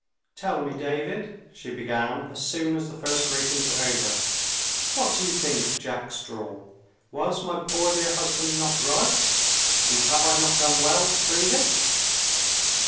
"Tell me, David," she began, as soon as the first greetings were over, "what do you think of Jack Straw? Was my poor dear husband not right? and have I not done well to prove it?"